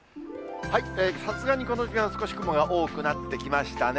さすがにこの時間、少し雲が多くなってきましたね。